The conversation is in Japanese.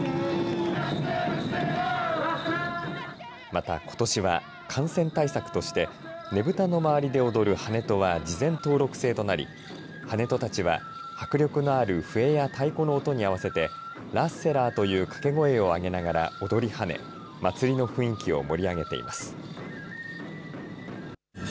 また、ことしは感染対策としてねぶたの周りで踊るハネトは事前登録制となりハネトたちは、迫力のある笛や太鼓の音に合わせてラッセラーという掛け声を上げながら踊りはね祭の雰囲気を盛り上げています。